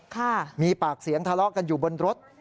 ค่ะมีปากเสียงทะเลาะกันอยู่บนรถ